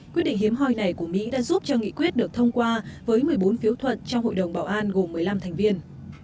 quyết định hiếm hoi này của mỹ đã giúp cho nghị quyết được thông qua với một mươi bốn phiếu thuận trong hội đồng bảo an gồm một mươi năm thành viên